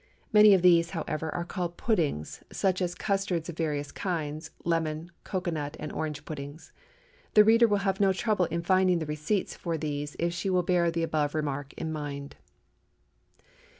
Many of these, however, are called puddings, such as custards of various kinds, lemon, cocoa nut, and orange puddings. The reader will have no trouble in finding the receipts for these, if she will bear the above remark in mind.